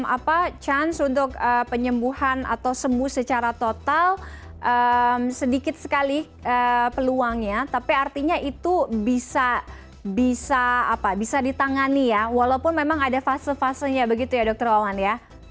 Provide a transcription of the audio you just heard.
apa chance untuk penyembuhan atau sembuh secara total sedikit sekali peluangnya tapi artinya itu bisa ditangani ya walaupun memang ada fase fasenya begitu ya dokter olan ya